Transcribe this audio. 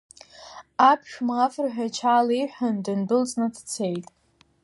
Аԥшәма афырҳәа иҽааилеиҳәан, дындәылҵны дцеит.